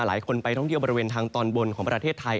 หลายคนไปท่องเที่ยวบริเวณทางตอนบนของประเทศไทย